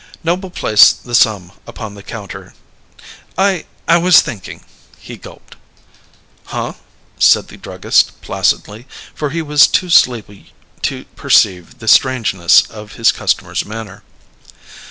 Noble placed the sum upon the counter. "I I was thinking " He gulped. "Huh?" said the druggist placidly, for he was too sleepy to perceive the strangeness of his customer's manner.